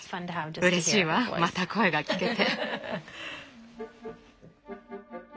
うれしいわまた声が聞けて。